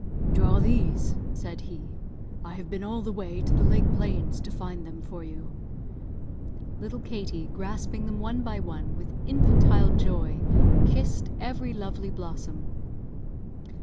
"Draw these," said he; "I have been all the way to the lake plains to find them for you." Little Katie, grasping them one by one, with infantile joy, kissed every lovely blossom.